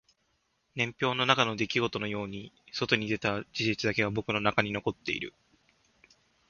年表の中の出来事のように外に出た事実だけが僕の中に残っている